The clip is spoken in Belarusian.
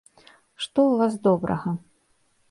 Што ў вас добрага?